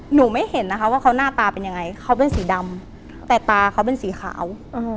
หนูไม่เห็นนะคะว่าเขาหน้าตาเป็นยังไงเขาเป็นสีดำแต่ตาเขาเป็นสีขาว